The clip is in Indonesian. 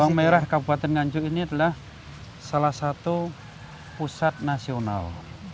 bawang merah kabupaten nganjuk ini adalah salah satu pusat nasional